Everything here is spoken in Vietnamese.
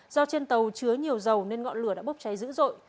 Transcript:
do trên tàu chứa nhiều dầu nên ngọn lửa đã bốc cháy dữ dội